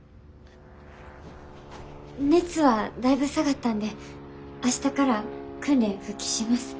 熱はだいぶ下がったんで明日から訓練復帰します。